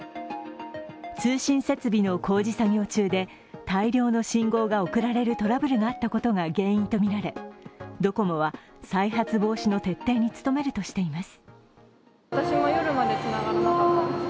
通信設備の工事作業中で大量の信号が送られるトラブルがあったことが原因とみられ、ドコモは再発防止の徹底に努めるとしています。